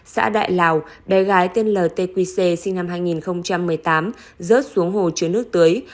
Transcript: xã đại lào bé gái tên l t q c sinh năm hai nghìn một mươi tám rớt xuống hồ chứa nước tới